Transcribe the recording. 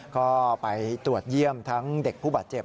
ก็ไปตรวจเยี่ยมทั้งเด็กผู้บาดเจ็บ